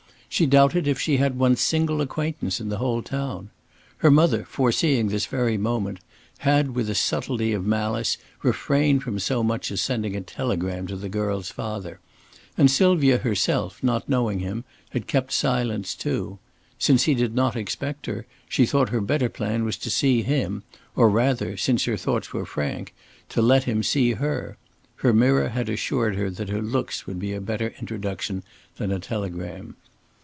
She doubted if she had one single acquaintance in the whole town. Her mother, foreseeing this very moment, had with a subtlety of malice refrained from so much as sending a telegram to the girl's father; and Sylvia herself, not knowing him, had kept silence too. Since he did not expect her, she thought her better plan was to see him, or rather, since her thoughts were frank, to let him see her. Her mirror had assured her that her looks would be a better introduction than a telegram.